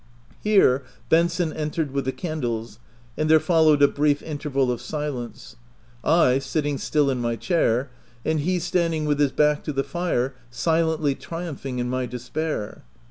Here Benson entered with the candles, and there followed a brief interval of silence — I sit ting still in my chair, and he standing with his back to the fire, silently triumphing in my de spair.